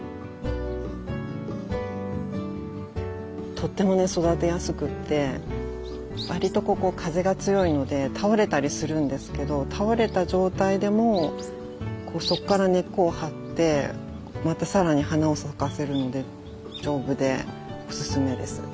とってもね育てやすくてわりとここ風が強いので倒れたりするんですけど倒れた状態でもこうそっから根っこを張ってまた更に花を咲かせるので丈夫でおすすめです。